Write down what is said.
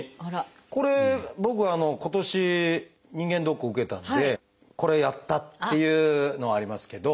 これ僕今年人間ドックを受けたのでこれやったっていうのはありますけど。